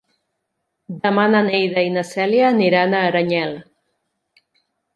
Demà na Neida i na Cèlia aniran a Aranyel.